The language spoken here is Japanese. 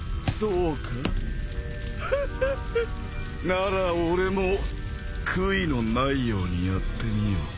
なら俺も悔いのないようにやってみよう。